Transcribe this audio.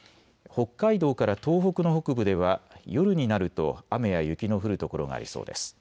北海道から東北の北部では夜になると雨や雪の降る所がありそうです。